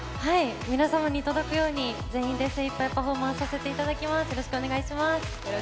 皆様に届くように全員で精一杯パフォーマンスさせていただきます。